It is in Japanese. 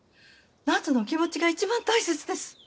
奈津の気持ちが一番大切です。